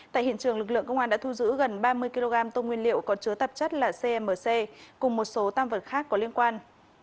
tại hiện trường lực lượng công an đã thu giữ gần ba mươi kg tôm nguyên liệu có chứa tạp chất là cmc cùng một số tam vật khác có liên quan